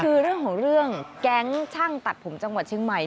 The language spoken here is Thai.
คือเรื่องของเรื่องแก๊งช่างตัดผมจังหวัดเชียงใหม่